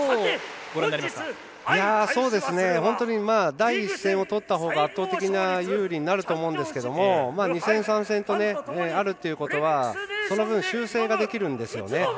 第１戦をとったほうが圧倒的な有利になると思うんですが２戦、３戦とあるということはその分、修正ができるんですよね。